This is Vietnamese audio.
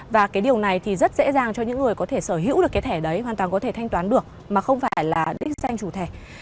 và cái điều này thì rất dễ dàng cho những người có thể sở hữu được cái thẻ đấy hoàn toàn có thể thanh toán được mà không phải là đích danh chủ thẻ